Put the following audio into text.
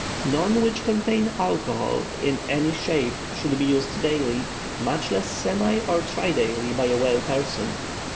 _None which contain alcohol in any shape should be used daily, much less semi or tri daily by a well person.